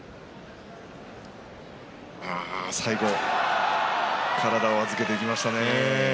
最後、体を預けていきましたね。